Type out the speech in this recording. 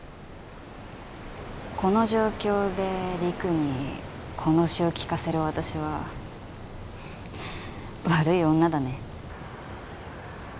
この状況でりくにこの詩を聞かせる私は悪い女だね。